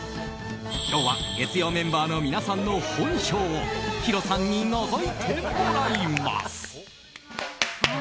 今日は月曜メンバーの皆さんの本性をヒロさんにのぞいてもらいます。